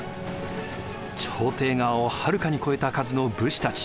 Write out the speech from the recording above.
朝廷側をはるかに超えた数の武士たち。